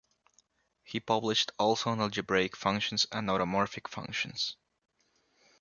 He published also on algebraic functions and automorphic functions.